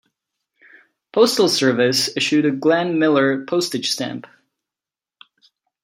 Postal Service issued a Glenn Miller postage stamp.